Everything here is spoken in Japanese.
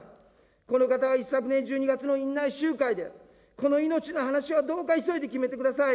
この方は一昨年１２月の院内集会で、この命の話はどうか急いで決めてください。